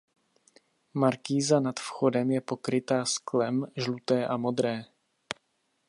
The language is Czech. Markýza nad vchodem je pokrytá sklem žluté a modré.